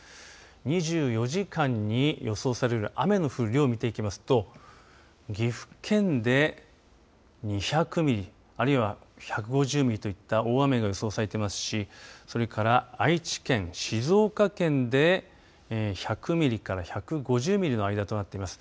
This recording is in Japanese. ２４時間に予想される雨の降る量見ていきますと岐阜県で２００ミリ、あるいは１５０ミリといった大雨が予想されていますしそれから愛知県、静岡県で１００ミリから１５０ミリの間となっています。